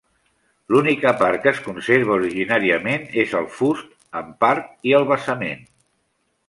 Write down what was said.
L'única part que es conserva originàriament és el fust, en part, i el basament.